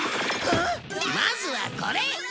まずはこれ